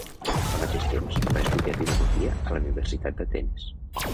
Al mateix temps, va estudiar filosofia a la Universitat d"Atenes.